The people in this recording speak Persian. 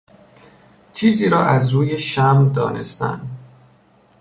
چیزی را از روی شم دانستن